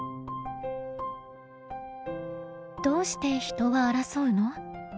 どうして人は争うの？